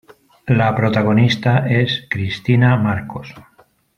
La protagonista es Cristina Marcos.